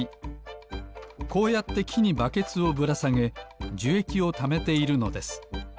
こうやってきにバケツをぶらさげじゅえきをためているのです